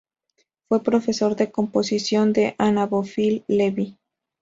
Fue profesor de composición de Anna Bofill Levi.